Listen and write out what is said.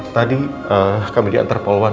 tadi kami diantar polwan